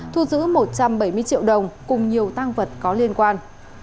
thu giữ một trăm bảy mươi triệu đồng cùng nhiều tăng vật có liên quan